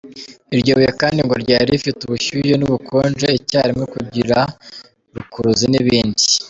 Iryo buye kandi ngo ryari rifite ubushyuhe n’ubukonje icyarimwe, kugira rukuruzi, n’ibindi.